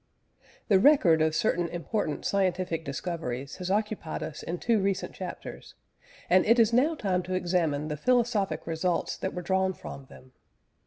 The record of certain important scientific discoveries has occupied us in two recent chapters, and it is now time to examine the philosophic results that were drawn from them.